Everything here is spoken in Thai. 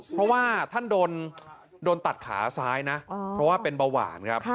เพราะว่าท่านโดนตัดขาซ้ายนะเพราะว่าเป็นเบาหวานครับ